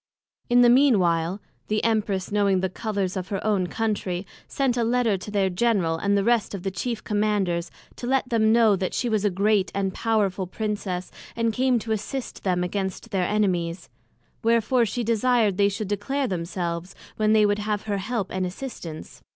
In the mean while, the Empress knowing the Colours of her own Country, sent a Letter to their General, and the rest of the chief Commanders, to let them know, that she was a great and powerful Princess, and came to assist them against their Enemies: wherefore she desired they should declare themselves, when they would have her help and assistance.